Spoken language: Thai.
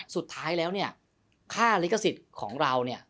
สุดท้ายแล้วเนี่ยค่าลิขสิทธิ์ของเราเนี่ย